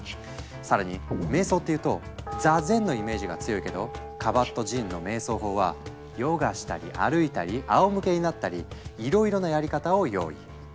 更に瞑想っていうと「座禅」のイメージが強いけどカバットジンの瞑想法はヨガしたり歩いたりあおむけになったりいろいろなやり方を用意。